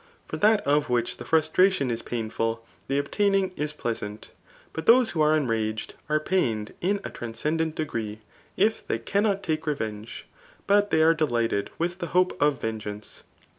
For that of which the frustration b painful, the obtaining is pleasant. But those srho are enraged, an pmntA in a ttinsceodent df^^tee^ tfthey cannot take revenge j but they are delighted wkh fhebopeof veggeanoe.